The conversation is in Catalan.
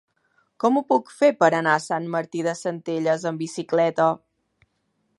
Com ho puc fer per anar a Sant Martí de Centelles amb bicicleta?